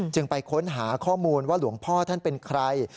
ไปค้นหาข้อมูลว่าหลวงพ่อท่านเป็นใคร